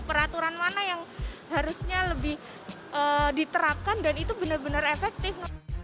peraturan mana yang harusnya lebih diterapkan dan itu benar benar efektif